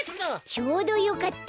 ちょうどよかった。